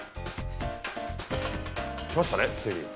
来ましたねついに。